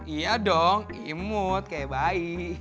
iya dong imut kayak bayi